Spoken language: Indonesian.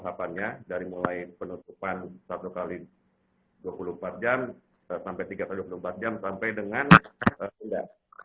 tahapannya dari mulai penutupan satu x dua puluh empat jam sampai tiga x dua puluh empat jam sampai dengan enggak